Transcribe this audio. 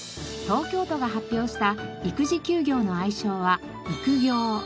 東京都が発表した育児休業の愛称は「育業」。